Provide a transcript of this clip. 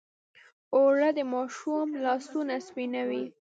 اوړه د ماشوم لاسونه سپینوي